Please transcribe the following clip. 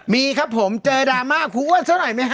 มีครับผมเจอดราม่าขูอ้อนสักหน่อยมั้ยฮะ